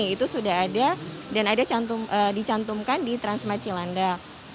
itu sudah ada dan ada dicantumkan di transmarcilandak